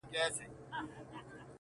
• په سینه او ټول وجود کي یې سوې څړیکي ,